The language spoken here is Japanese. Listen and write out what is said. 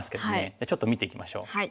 じゃあちょっと見ていきましょう。